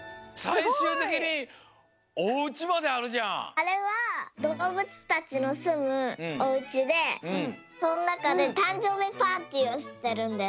あれはどうぶつたちのすむおうちでそのなかでたんじょうびパーティーをしてるんです。